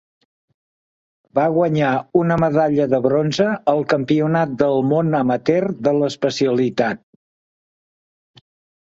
Va guanyar una medalla de bronze al Campionat del món amateur de l'especialitat.